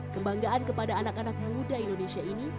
kebanggaan kepada anak anak muda indonesia ini